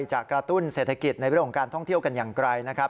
กระตุ้นเศรษฐกิจในเรื่องของการท่องเที่ยวกันอย่างไกลนะครับ